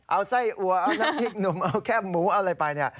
เอาไส้อัวเอาน้ำพริกหนุ่มเอาแค่หมูเอาอะไรไปเนี่ย